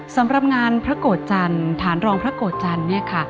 สำหรับงานพระโกฎจันทร์ฐานรองพระโกฎจันทร์